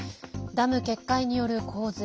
ダム決壊による洪水。